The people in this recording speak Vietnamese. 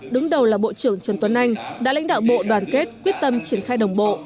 đứng đầu là bộ trưởng trần tuấn anh đã lãnh đạo bộ đoàn kết quyết tâm triển khai đồng bộ